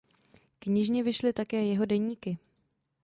Knižně vyšly také jeho deníky.